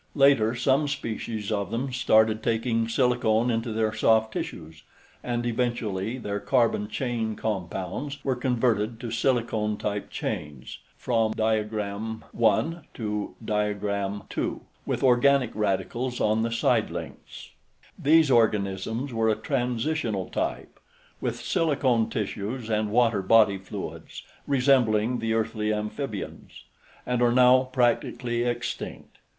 Later, some species of them started taking silicone into their soft tissues, and eventually their carbon chain compounds were converted to silicone type chains, from |||||||| C C C to O Si O Si O Si, |||||||| with organic radicals on the side links. These organisms were a transitional type, with silicone tissues and water body fluids, resembling the earthly amphibians, and are now practically extinct.